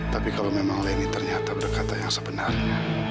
tapi kalau memang leni ternyata berkata yang sebenarnya